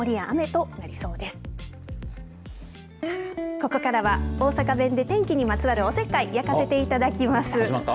ここからは大阪弁で天気にまつわるおせっかい焼かせていただきます。